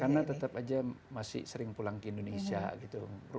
karena tetap aja masih sering pulang ke indonesia gitu